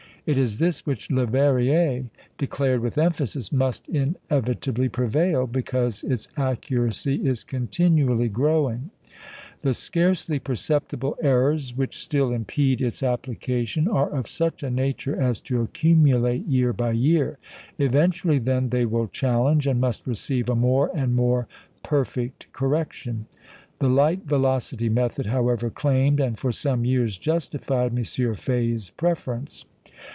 It is this which Leverrier declared with emphasis must inevitably prevail, because its accuracy is continually growing. The scarcely perceptible errors which still impede its application are of such a nature as to accumulate year by year; eventually, then, they will challenge, and must receive, a more and more perfect correction. The light velocity method, however, claimed, and for some years justified, M. Faye's preference.